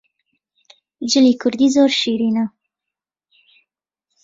جلی کوردی زۆر شیرینە